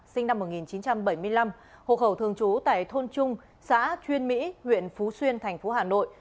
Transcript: sinh năm một nghìn chín trăm bảy mươi năm hộ khẩu thường trú tại thôn trung xã chuyên mỹ huyện phú xuyên thành phố hà nội